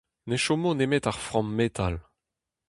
Ne chomo nemet ar framm metal.